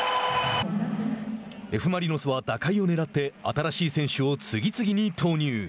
Ｆ・マリノスは打開をねらって新しい選手を次々に投入。